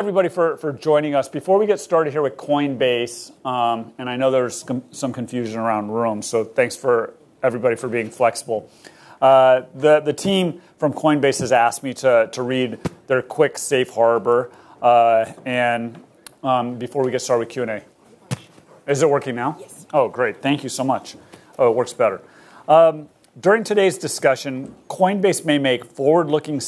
everybody, for joining us. Before we get started here with Coinbase, and I know there's some confusion around the room, so thanks to everybody for being flexible. The team from Coinbase has asked me to read their quick safe harbor. Before we get started with Q&A, is it working now? Yes. Oh, great. Thank you so much. Oh, it works better. During today's discussion, Coinbase may make forward-looking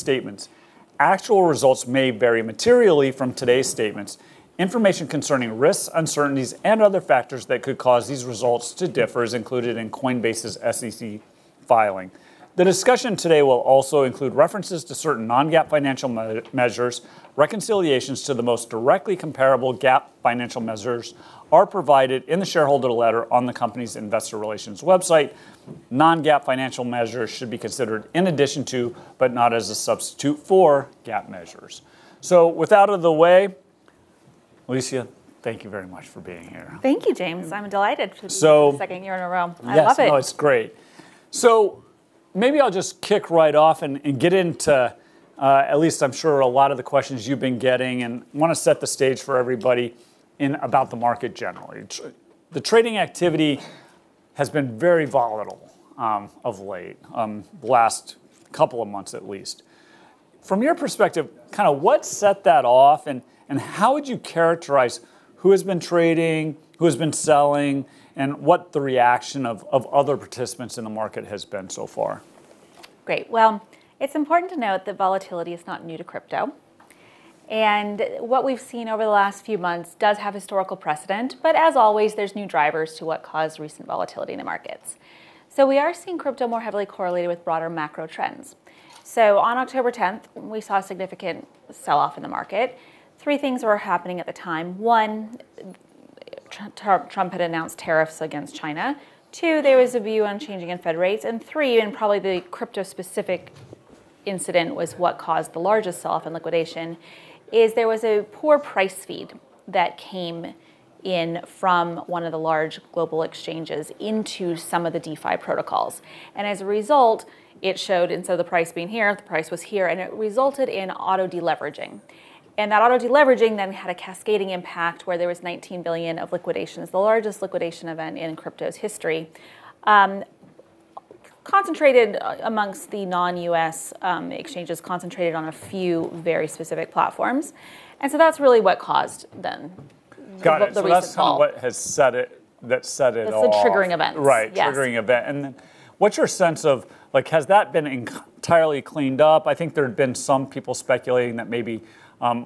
statements. Actual results may vary materially from today's statements. Information concerning risks, uncertainties, and other factors that could cause these results to differ is included in Coinbase's SEC filing. The discussion today will also include references to certain non-GAAP financial measures. Reconciliations to the most directly comparable GAAP financial measures are provided in the shareholder letter on the company's investor relations website. Non-GAAP financial measures should be considered in addition to, but not as a substitute for, GAAP measures. So with that out of the way, Alesia, thank you very much for being here. Thank you, James. I'm delighted to be here for the second year in a row. I love it. Yes, no, it's great. So maybe I'll just kick right off and get into, at least I'm sure, a lot of the questions you've been getting and want to set the stage for everybody about the market generally. The trading activity has been very volatile of late, the last couple of months at least. From your perspective, kind of what set that off and how would you characterize who has been trading, who has been selling, and what the reaction of other participants in the market has been so far? Great. Well, it's important to note that volatility is not new to crypto. And what we've seen over the last few months does have historical precedent. But as always, there's new drivers to what caused recent volatility in the markets. So we are seeing crypto more heavily correlated with broader macro trends. So on October 10th, we saw a significant sell-off in the market. Three things were happening at the time. One, Trump had announced tariffs against China. Two, there was a view on change in Fed rates. And three, and probably the crypto-specific incident was what caused the largest sell-off and liquidation, is there was a poor price feed that came in from one of the large global exchanges into some of the DeFi protocols. And as a result, it showed, and so the price being here, the price was here, and it resulted in auto deleveraging. And that auto deleveraging then had a cascading impact where there was $19 billion of liquidations, the largest liquidation event in crypto's history, concentrated amongst the non-U.S. exchanges, concentrated on a few very specific platforms. And so that's really what caused then. Got it. So that's kind of what has set it. That's the triggering event. Right, triggering event, and what's your sense of, has that been entirely cleaned up? I think there have been some people speculating that maybe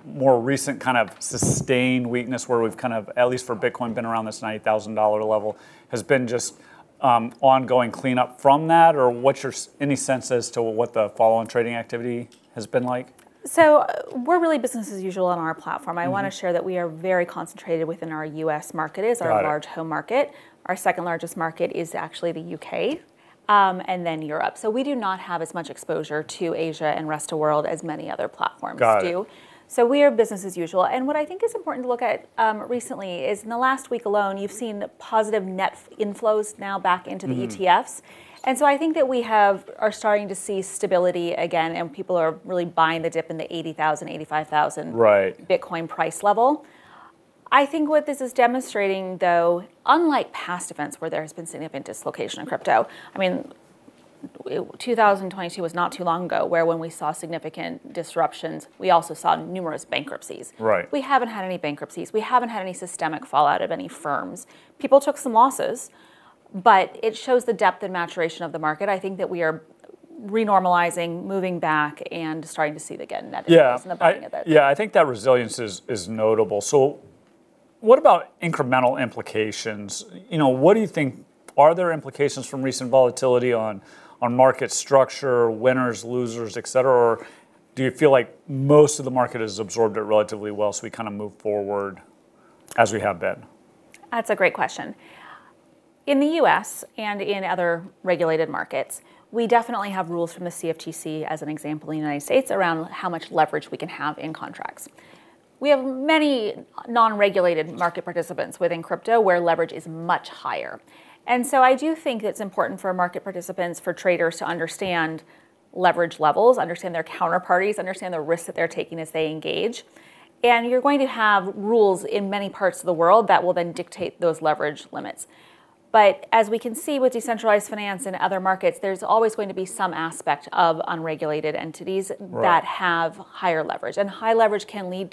more recent kind of sustained weakness where we've kind of, at least for Bitcoin, been around this $90,000 level has been just ongoing cleanup from that, or what's your, any sense as to what the follow-on trading activity has been like? So we're really business as usual on our platform. I want to share that we are very concentrated within our U.S. market, is our large home market. Our second largest market is actually the U.K. and then Europe. So we do not have as much exposure to Asia and rest of the world as many other platforms do. So we are business as usual. And what I think is important to look at recently is in the last week alone, you've seen positive net inflows now back into the ETFs. And so I think that we are starting to see stability again, and people are really buying the dip in the $80,000, $85,000 Bitcoin price level. I think what this is demonstrating, though, unlike past events where there has been significant dislocation in crypto, I mean, 2022 was not too long ago when we saw significant disruptions, we also saw numerous bankruptcies. We haven't had any bankruptcies. We haven't had any systemic fallout of any firms. People took some losses, but it shows the depth and maturation of the market. I think that we are renormalizing, moving back, and starting to see the net inflows and the buying of it. Yeah, I think that resilience is notable. So what about incremental implications? What do you think, are there implications from recent volatility on market structure, winners, losers, et cetera, or do you feel like most of the market has absorbed it relatively well, so we kind of move forward as we have been? That's a great question. In the U.S. and in other regulated markets, we definitely have rules from the CFTC as an example in the United States around how much leverage we can have in contracts. We have many non-regulated market participants within crypto where leverage is much higher. And so I do think that it's important for market participants, for traders to understand leverage levels, understand their counterparties, understand the risks that they're taking as they engage. And you're going to have rules in many parts of the world that will then dictate those leverage limits. But as we can see with decentralized finance and other markets, there's always going to be some aspect of unregulated entities that have higher leverage. High leverage can lead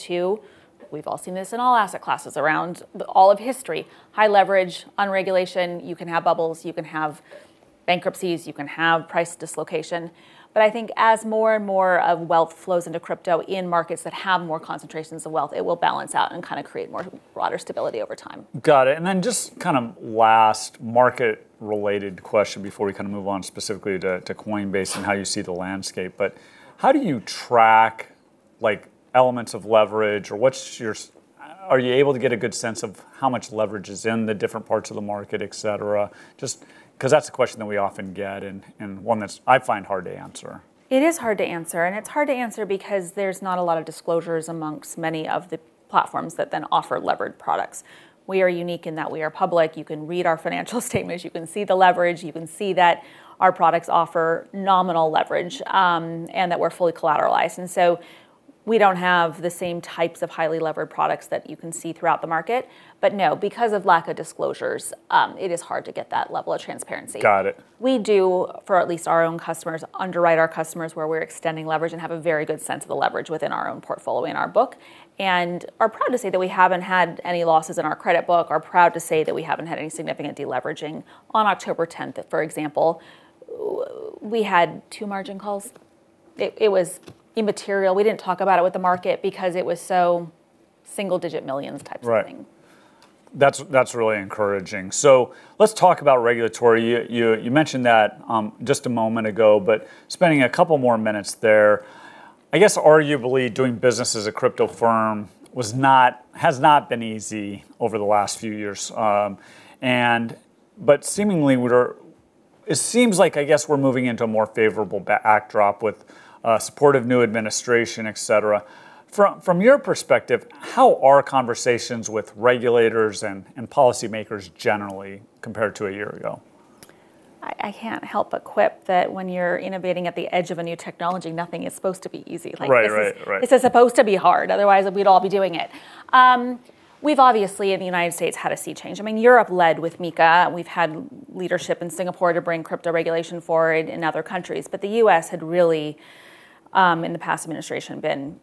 to, we've all seen this in all asset classes around all of history, high leverage, deregulation, you can have bubbles, you can have bankruptcies, you can have price dislocation. I think as more and more of wealth flows into crypto in markets that have more concentrations of wealth, it will balance out and kind of create more broader stability over time. Got it. And then just kind of last market-related question before we kind of move on specifically to Coinbase and how you see the landscape. But how do you track elements of leverage or are you able to get a good sense of how much leverage is in the different parts of the market, et cetera? Just because that's a question that we often get and one that I find hard to answer. It is hard to answer. And it's hard to answer because there's not a lot of disclosures among many of the platforms that then offer levered products. We are unique in that we are public. You can read our financial statements. You can see the leverage. You can see that our products offer nominal leverage and that we're fully collateralized. And so we don't have the same types of highly levered products that you can see throughout the market. But no, because of lack of disclosures, it is hard to get that level of transparency. Got it. We do, for at least our own customers, underwrite our customers where we're extending leverage and have a very good sense of the leverage within our own portfolio and our book, and we're proud to say that we haven't had any losses in our credit book. We're proud to say that we haven't had any significant deleveraging. On October 10th, for example, we had two margin calls. It was immaterial. We didn't talk about it with the market because it was so single digits millions type of thing. That's really encouraging. So let's talk about regulatory. You mentioned that just a moment ago, but spending a couple more minutes there, I guess arguably doing business as a crypto firm has not been easy over the last few years. But seemingly it seems like, I guess, we're moving into a more favorable backdrop with a supportive new administration, et cetera. From your perspective, how are conversations with regulators and policymakers generally compared to a year ago? I can't help but quip that when you're innovating at the edge of a new technology, nothing is supposed to be easy. This is supposed to be hard. Otherwise, we'd all be doing it. We've obviously in the United States had a sea change. I mean, Europe led with MiCA. We've had leadership in Singapore to bring crypto regulation forward in other countries. But the U.S. had really, in the past administration, been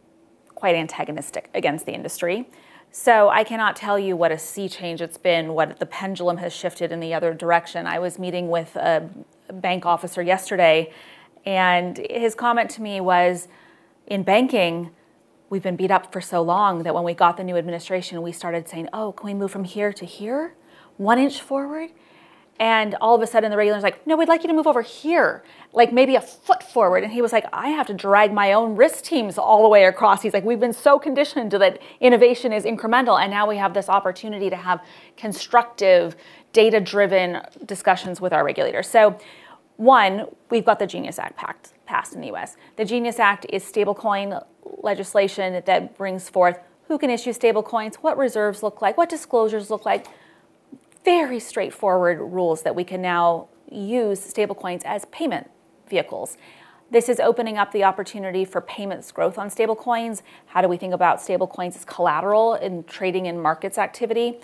quite antagonistic against the industry. So I cannot tell you what a sea change it's been, what the pendulum has shifted in the other direction. I was meeting with a bank officer yesterday, and his comment to me was, "In banking, we've been beat up for so long that when we got the new administration, we started saying, 'Oh, can we move from here to here? “One inch forward?” and all of a sudden, the regulator was like, “No, we'd like you to move over here, like maybe a foot forward.” and he was like, “I have to drag my own risk teams all the way across.” He’s like, “We've been so conditioned that innovation is incremental, and now we have this opportunity to have constructive, data-driven discussions with our regulators.” so one, we've got the GENIUS Act passed in the U.S. The GENIUS Act is stablecoin legislation that brings forth who can issue stablecoins, what reserves look like, what disclosures look like, very straightforward rules that we can now use stablecoins as payment vehicles. This is opening up the opportunity for payments growth on stablecoins. How do we think about stablecoins as collateral in trading and markets activity?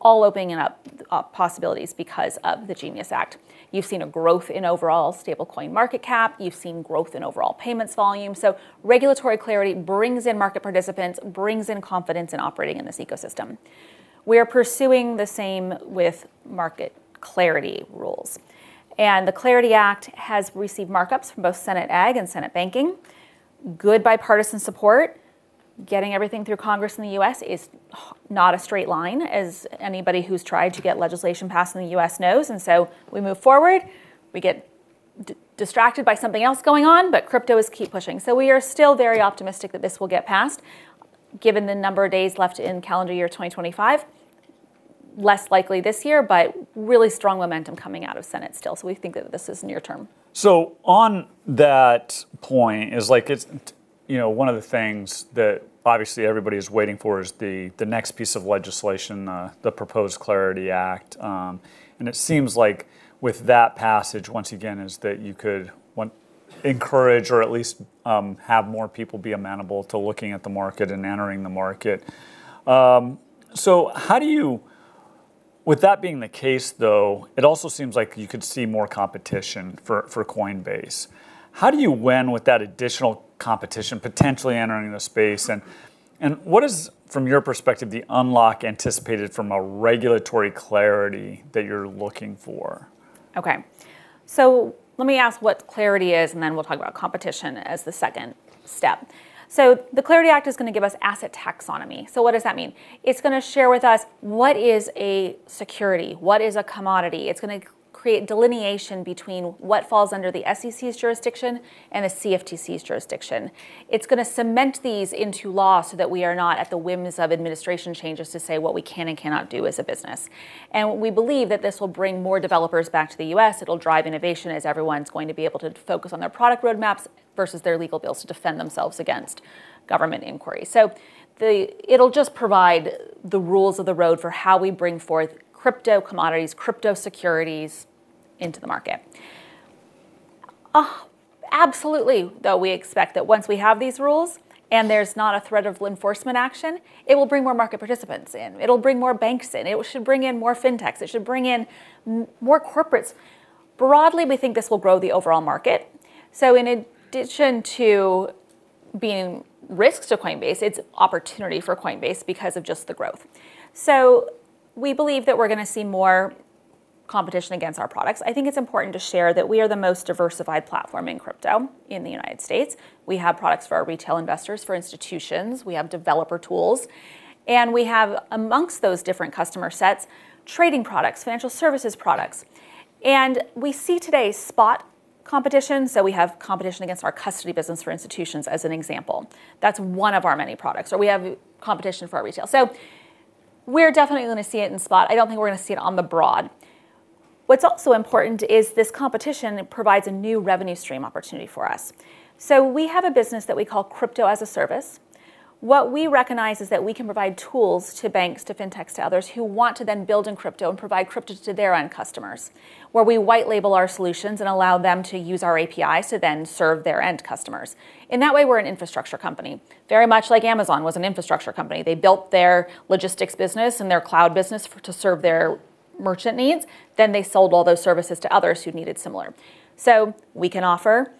All opening up possibilities because of the GENIUS Act. You've seen a growth in overall stablecoin market cap. You've seen growth in overall payments volume. So regulatory clarity brings in market participants, brings in confidence in operating in this ecosystem. We are pursuing the same with market clarity rules. And the CLARITY Act has received markups from both Senate Ag and Senate Banking. Good bipartisan support. Getting everything through Congress in the U.S. is not a straight line, as anybody who's tried to get legislation passed in the U.S. knows. And so we move forward. We get distracted by something else going on, but crypto keeps pushing. So we are still very optimistic that this will get passed given the number of days left in calendar year 2025. Less likely this year, but really strong momentum coming out of Senate still. So we think that this is near term. So on that point, one of the things that obviously everybody is waiting for is the next piece of legislation, the proposed CLARITY Act. And it seems like with that passage, once again, is that you could encourage or at least have more people be amenable to looking at the market and entering the market. So how do you, with that being the case, though, it also seems like you could see more competition for Coinbase. How do you win with that additional competition, potentially entering the space? And what is, from your perspective, the unlock anticipated from a regulatory clarity that you're looking for? Okay. So let me ask what CLARITY is, and then we'll talk about competition as the second step. So the CLARITY Act is going to give us asset taxonomy. So what does that mean? It's going to share with us what is a security, what is a commodity. It's going to create delineation between what falls under the SEC's jurisdiction and the CFTC's jurisdiction. It's going to cement these into law so that we are not at the whims of administration changes to say what we can and cannot do as a business. And we believe that this will bring more developers back to the U.S. It'll drive innovation as everyone's going to be able to focus on their product roadmaps versus their legal bills to defend themselves against government inquiry. So it'll just provide the rules of the road for how we bring forth crypto commodities, crypto securities into the market. Absolutely, though, we expect that once we have these rules and there's not a threat of enforcement action, it will bring more market participants in. It'll bring more banks in. It should bring in more fintechs. It should bring in more corporates. Broadly, we think this will grow the overall market. So in addition to being risks to Coinbase, it's opportunity for Coinbase because of just the growth. So we believe that we're going to see more competition against our products. I think it's important to share that we are the most diversified platform in crypto in the United States. We have products for our retail investors, for institutions. We have developer tools. And we have, amongst those different customer sets, trading products, financial services products. We see today spot competition. We have competition against our custody business for institutions, as an example. That's one of our many products. We have competition for our retail. We're definitely going to see it in spot. I don't think we're going to see on the broad. What's also important is this competition provides a new revenue stream opportunity for us. We have a business that we call Crypto-as-a-Service. What we recognize is that we can provide tools to banks, to fintechs, to others who want to then build in crypto and provide crypto to their end customers, where we white label our solutions and allow them to use our APIs to then serve their end customers. In that way, we're an infrastructure company, very much like Amazon was an infrastructure company. They built their logistics business and their cloud business to serve their merchant needs. Then they sold all those services to others who needed similar. So we can offer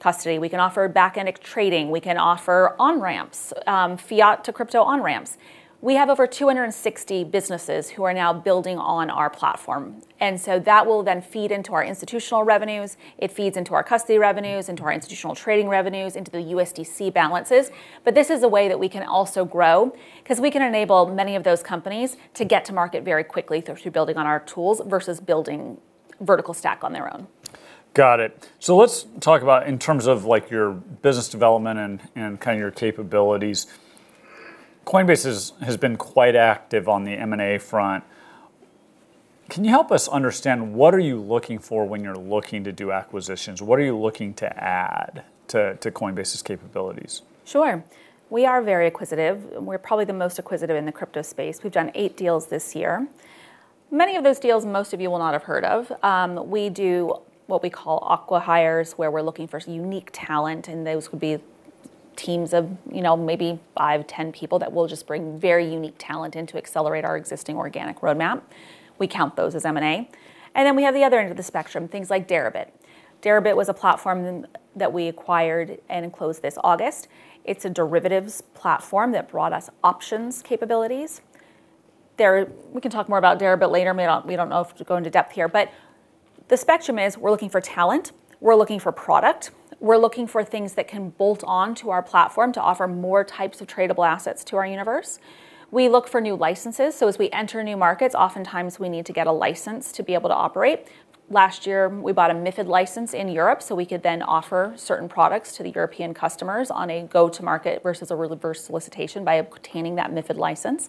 custody. We can offer back-end trading. We can offer on-ramps, fiat to crypto on-ramps. We have over 260 businesses who are now building on our platform. And so that will then feed into our institutional revenues. It feeds into our custody revenues, into our institutional trading revenues, into the USDC balances. But this is a way that we can also grow because we can enable many of those companies to get to market very quickly through building on our tools versus building vertical stack on their own. Got it. So let's talk about in terms of your business development and kind of your capabilities. Coinbase has been quite active on the M&A front. Can you help us understand what are you looking for when you're looking to do acquisitions? What are you looking to add to Coinbase's capabilities? Sure. We are very acquisitive. We're probably the most acquisitive in the crypto space. We've done eight deals this year. Many of those deals, most of you will not have heard of. We do what we call acqui-hires, where we're looking for unique talent. And those would be teams of maybe five, ten people that will just bring very unique talent in to accelerate our existing organic roadmap. We count those as M&A. And then we have the other end of the spectrum, things like Deribit. Deribit was a platform that we acquired and closed this August. It's a derivatives platform that brought us options capabilities. We can talk more about Deribit later. We don't know if to go into depth here. But the spectrum is we're looking for talent. We're looking for product. We're looking for things that can bolt on to our platform to offer more types of tradable assets to our universe. We look for new licenses. So as we enter new markets, oftentimes we need to get a license to be able to operate. Last year, we bought a MiFID license in Europe so we could then offer certain products to the European customers on a go-to-market versus a reverse solicitation by obtaining that MiFID license.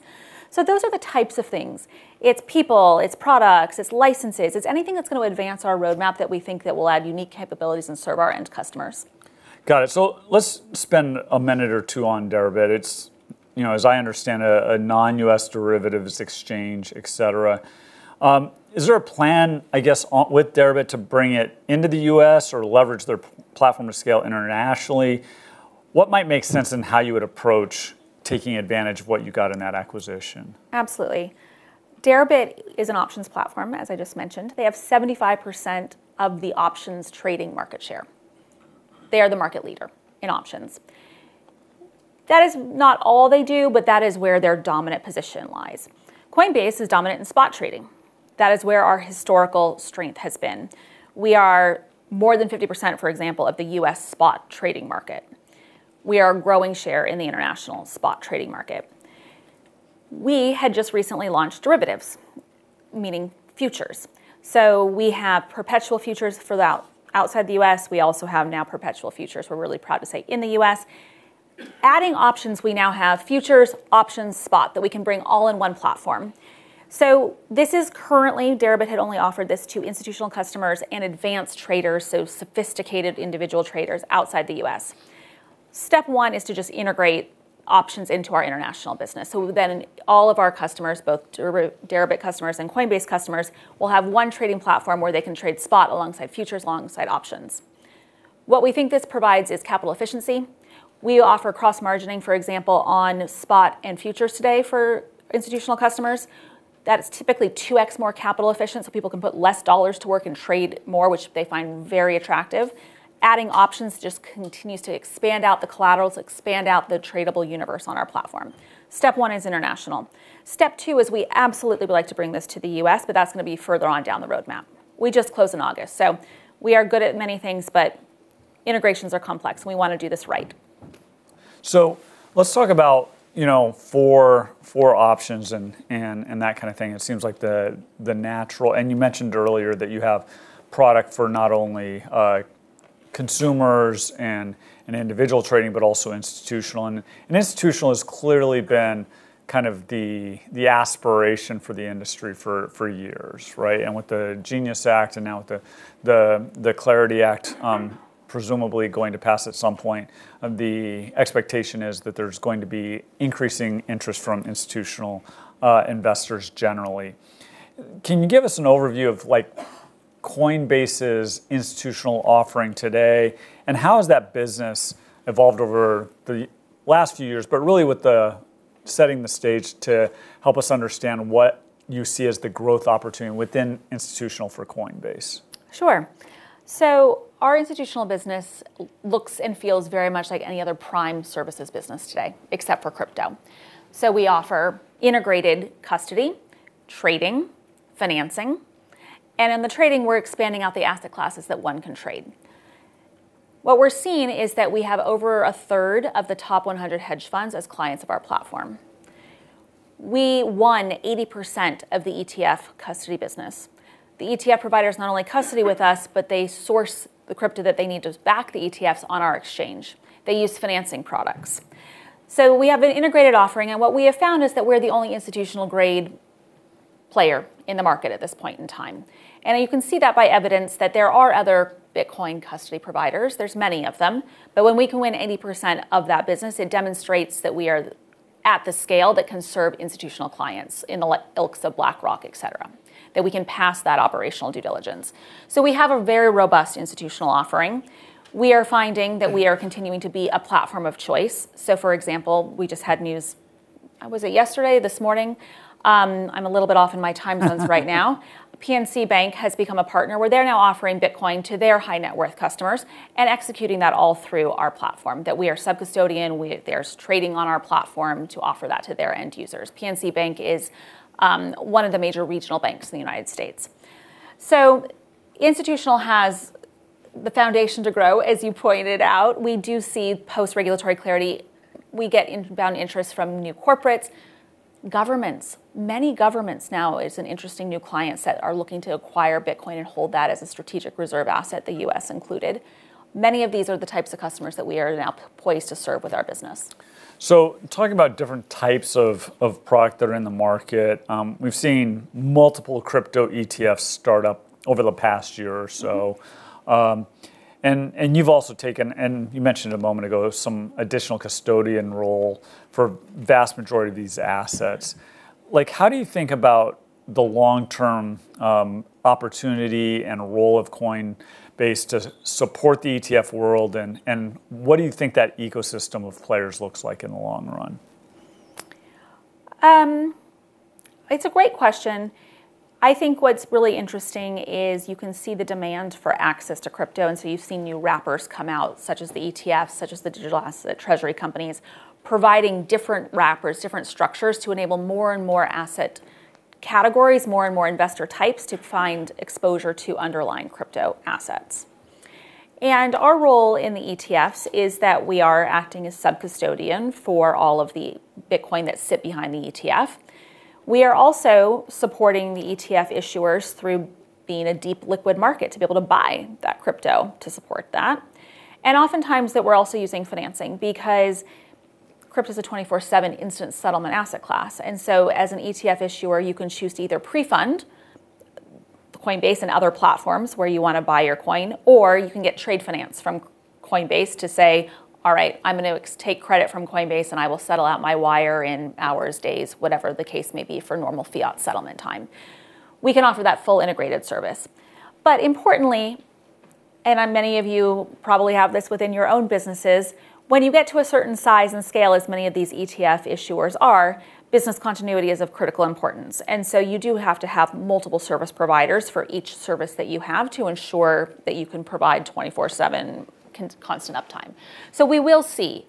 So those are the types of things. It's people, it's products, it's licenses. It's anything that's going to advance our roadmap that we think that will add unique capabilities and serve our end customers. Got it. So let's spend a minute or two on Deribit. It's, as I understand, a non-U.S. derivatives exchange, et cetera. Is there a plan, I guess, with Deribit to bring it into the U.S. or leverage their platform to scale internationally? What might make sense in how you would approach taking advantage of what you got in that acquisition? Absolutely. Deribit is an options platform, as I just mentioned. They have 75% of the options trading market share. They are the market leader in options. That is not all they do, but that is where their dominant position lies. Coinbase is dominant in spot trading. That is where our historical strength has been. We are more than 50%, for example, of the U.S. spot trading market. We are a growing share in the international spot trading market. We had just recently launched derivatives, meaning futures. So we have perpetual futures for that outside the U.S. We also have now perpetual futures. We're really proud to say, in the U.S. Adding options, we now have futures, options, spot that we can bring all in one platform. So this is currently. Deribit had only offered this to institutional customers and advanced traders, so sophisticated individual traders outside the U.S. Step one is to just integrate options into our international business, so then all of our customers, both Deribit customers and Coinbase customers, will have one trading platform where they can trade spot alongside futures, alongside options. What we think this provides is capital efficiency. We offer cross-margining, for example, on spot and futures today for institutional customers. That's typically 2x more capital efficient, so people can put less dollars to work and trade more, which they find very attractive. Adding options just continues to expand out the collaterals, expand out the tradable universe on our platform. Step one is international. Step two is we absolutely would like to bring this to the U.S., but that's going to be further on down the roadmap. We just closed in August, so we are good at many things, but integrations are complex, and we want to do this right. So let's talk about for options and that kind of thing. It seems like the natural and you mentioned earlier that you have product for not only consumers and individual trading, but also institutional. And institutional has clearly been kind of the aspiration for the industry for years, right? And with the GENIUS Act and now with the CLARITY Act presumably going to pass at some point, the expectation is that there's going to be increasing interest from institutional investors generally. Can you give us an overview of Coinbase's institutional offering today? And how has that business evolved over the last few years, but really with the setting the stage to help us understand what you see as the growth opportunity within institutional for Coinbase? Sure. So our institutional business looks and feels very much like any other prime services business today, except for crypto. So we offer integrated custody, trading, financing. And in the trading, we're expanding out the asset classes that one can trade. What we're seeing is that we have over a third of the top 100 hedge funds as clients of our platform. We won 80% of the ETF custody business. The ETF providers not only custody with us, but they source the crypto that they need to back the ETFs on our exchange. They use financing products. So we have an integrated offering. And what we have found is that we're the only institutional-grade player in the market at this point in time. And you can see that by evidence that there are other Bitcoin custody providers. There's many of them. But when we can win 80% of that business, it demonstrates that we are at the scale that can serve institutional clients in the ilk of BlackRock, et cetera, that we can pass that operational due diligence. So we have a very robust institutional offering. We are finding that we are continuing to be a platform of choice. So for example, we just had news, was it yesterday, this morning? I'm a little bit off in my time zones right now. PNC Bank has become a partner. They're now offering Bitcoin to their high-net-worth customers and executing that all through our platform. That we are sub-custodian. There's trading on our platform to offer that to their end users. PNC Bank is one of the major regional banks in the United States. So institutional has the foundation to grow, as you pointed out. We do see post-regulatory clarity. We get inbound interest from new corporates, governments. Many governments now is an interesting new client set are looking to acquire Bitcoin and hold that as a strategic reserve asset, the U.S. included. Many of these are the types of customers that we are now poised to serve with our business. Talking about different types of product that are in the market, we've seen multiple crypto ETFs start up over the past year or so. You've also taken, and you mentioned a moment ago, some additional custodian role for the vast majority of these assets. How do you think about the long-term opportunity and role of Coinbase to support the ETF world? What do you think that ecosystem of players looks like in the long run? It's a great question. I think what's really interesting is you can see the demand for access to crypto. And so you've seen new wrappers come out, such as the ETFs, such as the digital asset treasury companies, providing different wrappers, different structures to enable more and more asset categories, more and more investor types to find exposure to underlying crypto assets. And our role in the ETFs is that we are acting as sub-custodian for all of the Bitcoin that sit behind the ETF. We are also supporting the ETF issuers through being a deep liquid market to be able to buy that crypto to support that. And oftentimes we're also using financing because crypto is a 24/7 instant settlement asset class. As an ETF issuer, you can choose to either pre-fund Coinbase and other platforms where you want to buy your coin, or you can get trade finance from Coinbase to say, "All right, I'm going to take credit from Coinbase and I will settle out my wire in hours, days, whatever the case may be for normal fiat settlement time." We can offer that full integrated service. But importantly, and many of you probably have this within your own businesses, when you get to a certain size and scale as many of these ETF issuers are, business continuity is of critical importance. You do have to have multiple service providers for each service that you have to ensure that you can provide 24/7 constant uptime. We will see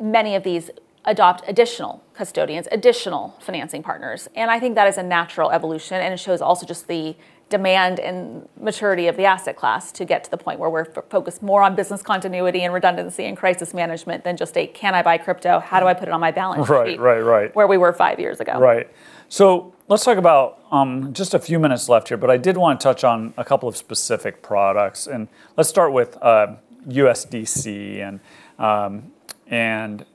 many of these adopt additional custodians, additional financing partners. I think that is a natural evolution. It shows also just the demand and maturity of the asset class to get to the point where we're focused more on business continuity and redundancy and crisis management than just, "Can I buy crypto? How do I put it on my balance sheet? Right, right, right. Where we were five years ago. Right, so let's talk about just a few minutes left here, but I did want to touch on a couple of specific products, and let's start with USDC and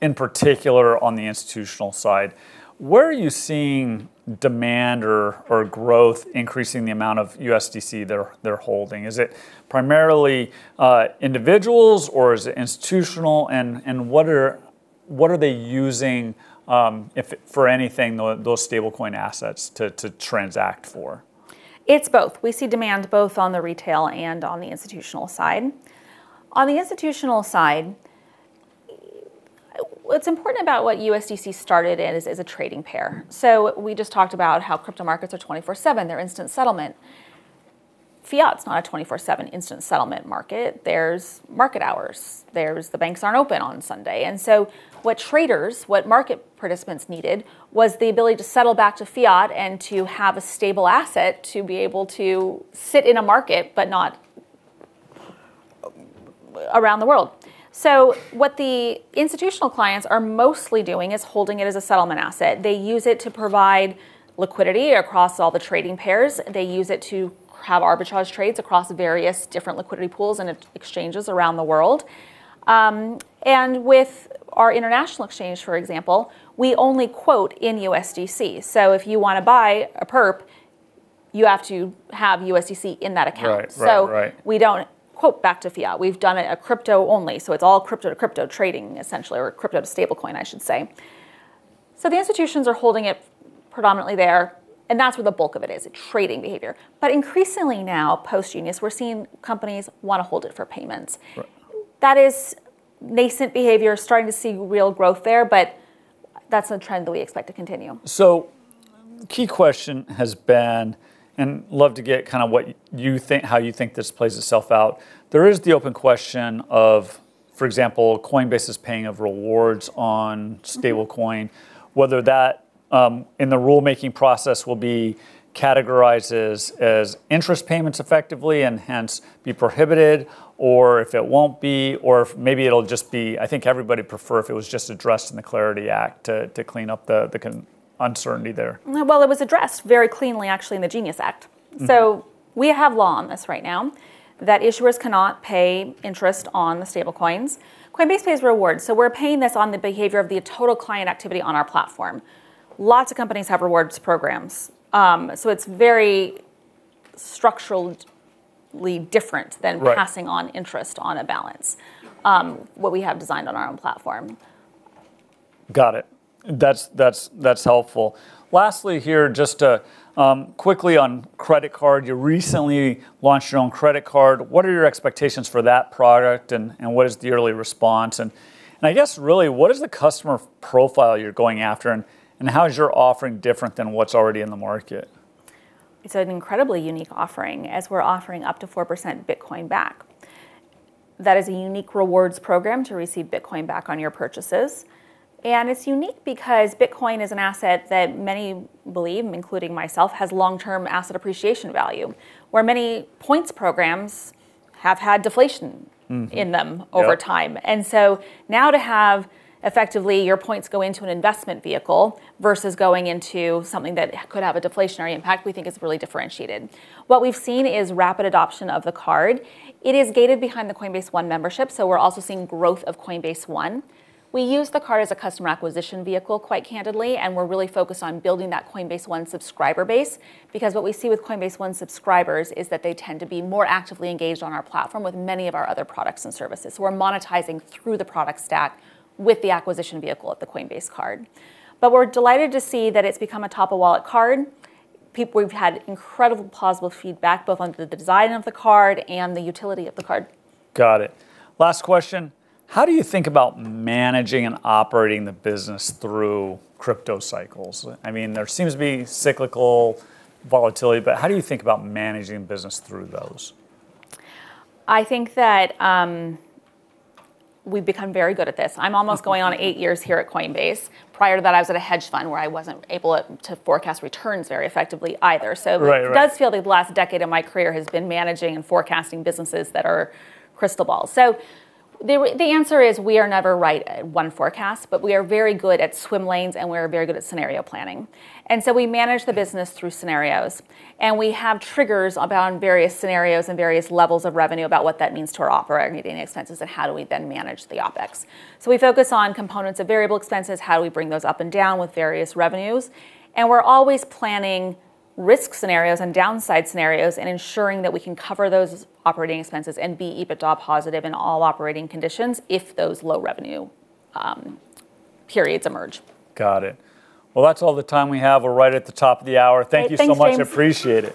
in particular on the institutional side. Where are you seeing demand or growth increasing the amount of USDC they're holding? Is it primarily individuals or is it institutional, and what are they using for anything those stablecoin assets to transact for? It's both. We see demand both on the retail and on the institutional side. On the institutional side, what's important about what USDC started as a trading pair, so we just talked about how crypto markets are 24/7, they're instant settlement. Fiat's not a 24/7 instant settlement market. There's market hours. The banks aren't open on Sunday, and so what traders, what market participants needed was the ability to settle back to fiat and to have a stable asset to be able to sit in a market, but not around the world, so what the institutional clients are mostly doing is holding it as a settlement asset. They use it to provide liquidity across all the trading pairs. They use it to have arbitrage trades across various different liquidity pools and exchanges around the world, and with our international exchange, for example, we only quote in USDC. So if you want to buy a perp, you have to have USDC in that account. So we don't quote back to fiat. We've done it as crypto only. So it's all crypto to crypto trading, essentially, or crypto to stablecoin, I should say. So the institutions are holding it predominantly there. And that's where the bulk of it is, trading behavior. But increasingly now, post-GENIUS, we're seeing companies want to hold it for payments. That is nascent behavior, starting to see real growth there, but that's a trend that we expect to continue. So, key question has been, and love to get kind of how you think this plays itself out. There is the open question of, for example, Coinbase is paying out rewards on stablecoin, whether that, in the rulemaking process, will be categorized as interest payments effectively and hence be prohibited, or if it won't be, or if maybe it'll just be. I think everybody would prefer if it was just addressed in the CLARITY Act to clean up the uncertainty there. It was addressed very cleanly, actually, in the GENIUS Act. We have law on this right now that issuers cannot pay interest on the stablecoins. Coinbase pays rewards. We're paying this on the behavior of the total client activity on our platform. Lots of companies have rewards programs. It's very structurally different than passing on interest on a balance, what we have designed on our own platform. Got it. That's helpful. Lastly here, just quickly on credit card, you recently launched your own credit card. What are your expectations for that product and what is the early response? And I guess really, what is the customer profile you're going after and how is your offering different than what's already in the market? It's an incredibly unique offering as we're offering up to 4% Bitcoin back. That is a unique rewards program to receive Bitcoin back on your purchases. And it's unique because Bitcoin is an asset that many believe, including myself, has long-term asset appreciation value, where many points programs have had deflation in them over time. And so now to have effectively your points go into an investment vehicle versus going into something that could have a deflationary impact, we think is really differentiated. What we've seen is rapid adoption of the card. It is gated behind the Coinbase One membership. So we're also seeing growth of Coinbase One. We use the card as a customer acquisition vehicle quite candidly, and we're really focused on building that Coinbase One subscriber base because what we see with Coinbase One subscribers is that they tend to be more actively engaged on our platform with many of our other products and services. So we're monetizing through the product stack with the acquisition vehicle at the Coinbase Card. But we're delighted to see that it's become a top-of-wallet card. We've had incredible positive feedback both on the design of the card and the utility of the card. Got it. Last question. How do you think about managing and operating the business through crypto cycles? I mean, there seems to be cyclical volatility, but how do you think about managing business through those? I think that we've become very good at this. I'm almost going on eight years here at Coinbase. Prior to that, I was at a hedge fund where I wasn't able to forecast returns very effectively either. So it does feel the last decade of my career has been managing and forecasting businesses that are crystal balls. So the answer is we are never right at one forecast, but we are very good at swim lanes and we are very good at scenario planning. And so we manage the business through scenarios. And we have triggers on various scenarios and various levels of revenue about what that means to our operating expenses and how do we then manage the OpEx. So we focus on components of variable expenses, how do we bring those up and down with various revenues. We're always planning risk scenarios and downside scenarios and ensuring that we can cover those operating expenses and be EBITDA positive in all operating conditions if those low revenue periods emerge. Got it. Well, that's all the time we have. We're right at the top of the hour. Thank you so much. Appreciate it.